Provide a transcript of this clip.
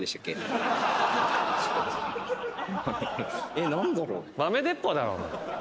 えっ何だろう？